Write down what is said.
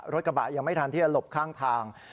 รถกระบะยังไม่ทันที่จะหลบข้างทาง